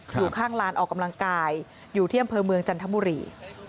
อยู่ข้างลานออกกำลังกายอยู่ที่อำเภอเมืองจันทบุรี